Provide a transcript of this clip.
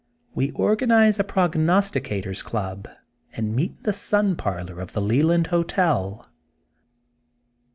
We organize a Prognosti cator 's Club and meet in the Sun Parlor of the Leland Hotel.